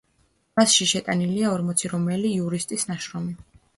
მასში შეტანილია ორმოცი რომაელი იურისტის ნაშრომი.